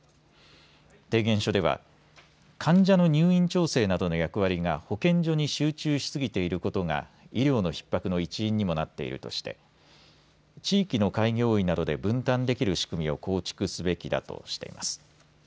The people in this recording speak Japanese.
提言書では患者の入院調整などの役割が保健所に集中しすぎていることが医療のひっ迫の一因にもなっているとして地域の開業医などで分担できる仕組みを構築すべきだとしています。